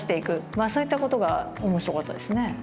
まあそういったことが面白かったですね。